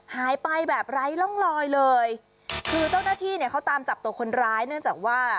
หายไปแบบไร้ร่องลอยเลยคือเจ้าหน้าที่เนี่ยเขาตามจับตัวคนร้ายเนื่องจากว่า